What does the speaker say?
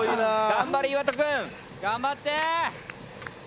頑張れ岩田くん。頑張って！